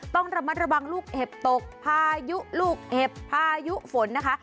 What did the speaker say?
ต้องระมัดระวังลูกเห็บตกพายุลูกเห็บพายุฝนนะคะ